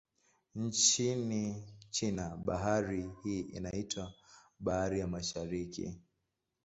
Nchini China, bahari hii inaitwa Bahari ya Mashariki.